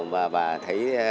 và bà thấy